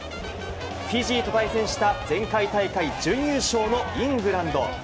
フィジーと対戦した前回大会準優勝のイングランド。